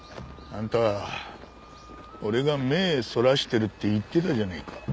あんた俺が目ぇそらしてるって言ってたじゃねえか。